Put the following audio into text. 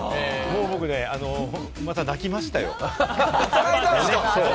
僕ね、また泣きましたよ。